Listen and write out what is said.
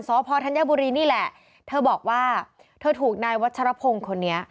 สพธัญบุรีนี่แหละเธอบอกว่าเธอถูกนายวัชรพงศ์คนนี้